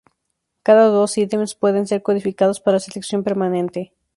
Cada dos ítems pueden ser codificados para selección permanente.